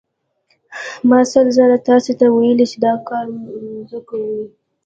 ما سل ځله تاسې ته ویلي چې دا مه څکوئ.